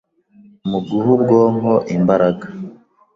mu guha ubwonko imbaraga